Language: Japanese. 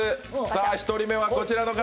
１人目はこちらの方！